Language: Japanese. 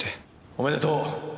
おめでとう。